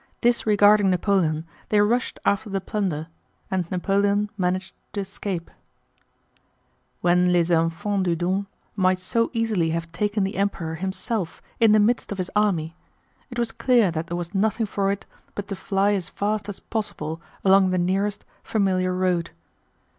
Disregarding Napoleon they rushed after the plunder and Napoleon managed to escape. When les enfants du Don might so easily have taken the Emperor himself in the midst of his army, it was clear that there was nothing for it but to fly as fast as possible along the nearest, familiar road.